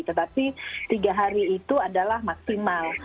tetapi tiga hari itu adalah maksimal